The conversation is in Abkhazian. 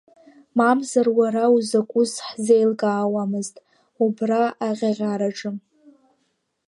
Мамзар уара узакәыз ҳзеилкаауамызт, убра аҟьаҟьараҿы.